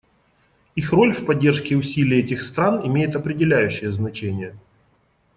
Их роль в поддержке усилий этих стран имеет определяющее значение.